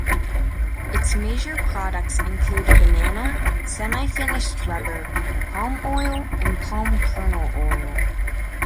Its major products include banana, semi-finished rubber, palm oil and palm kernel oil.